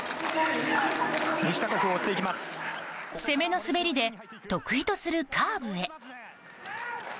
攻めの滑りで得意とするカーブへ。